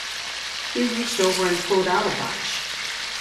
He reached over and pulled out a bunch.